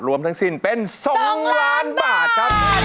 รวมทั้งสิ้นเป็น๒ล้านบาทครับ